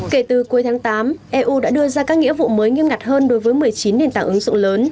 kể từ cuối tháng tám eu đã đưa ra các nghĩa vụ mới nghiêm ngặt hơn đối với một mươi chín nền tảng ứng dụng lớn